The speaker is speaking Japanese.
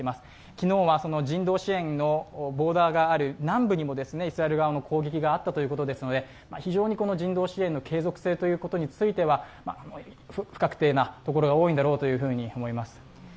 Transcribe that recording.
昨日は人道支援のボーダーがある南部にもイスラエル側の攻撃があったということですので非常に人道支援の継続性ということについては不確定なところが多いんだろうと思います。